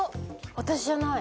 私じゃない。